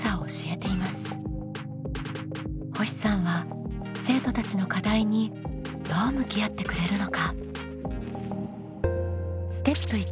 星さんは生徒たちの課題にどう向き合ってくれるのか？